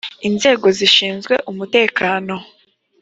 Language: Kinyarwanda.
inzego zishinzwe umutekano